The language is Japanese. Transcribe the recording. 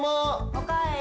おかえり。